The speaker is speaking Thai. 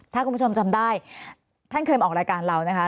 ถ้าคุณผู้ชมจำได้ท่านเคยมาออกรายการเรานะคะ